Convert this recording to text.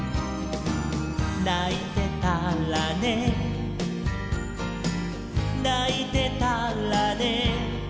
「ないてたらねないてたらね」